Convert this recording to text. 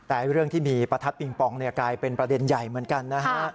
แต่เรื่องที่มีประทัดปิงปองกลายเป็นประเด็นใหญ่เหมือนกันนะฮะ